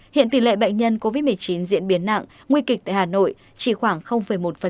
hiện tỷ lệ bệnh nhân covid một mươi chín diễn biến nặng nguy kịch tại hà nội chỉ khoảng một